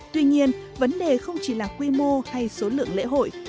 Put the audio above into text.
tuy nhiên vấn đề không chỉ là quy mô hay số lượng lễ hội